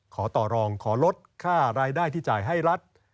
ขอต่อรองขอลดค่ารายได้ที่จ่ายให้รัฐ